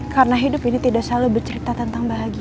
karena hidup ini tidak selalu bercerita tentang bahagia